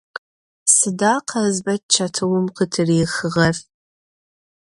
Sıda Khazbeç çetıum khıtırixığer?